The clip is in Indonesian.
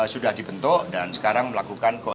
sudah dibentuk dan sekarang melakukan